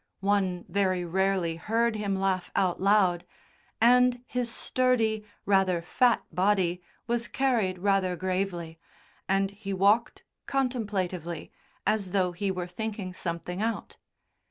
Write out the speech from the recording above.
One very rarely heard him laugh out loud, and his sturdy, rather fat body was carried rather gravely, and he walked contemplatively as though he were thinking something out.